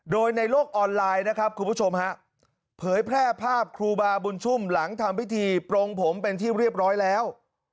โดยในโลกออนไลน์นะครับคุณผู้ชมฮะเผยแพร่ภาพครูบาบุญชุ่มหลังทำพิธีปรงผมเป็นที่เรียบร้อยแล้ว